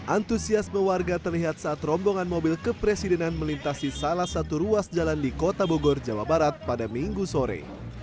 antusiasme warga terlihat saat rombongan mobil kepresidenan melintasi salah satu ruas jalan di kota bogor jawa barat pada minggu sore